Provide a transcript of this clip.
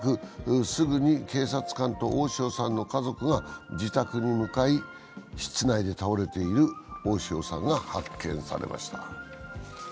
すぐに警察官と大塩さんの家族が自宅に向かい、室内で倒れている大塩さんが発見されました。